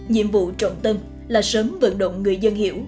nhiệm vụ trọng tâm là sớm vận động người dân hiểu